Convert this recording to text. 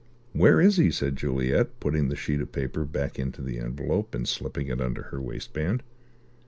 "Where is he?" said Juliet, putting the sheet of paper back into the envelope and slipping it under her waistband.